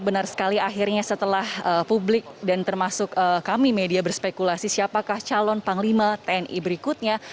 benar sekali akhirnya setelah publik dan termasuk kami media berspekulasi siapakah calon panglima tni berikutnya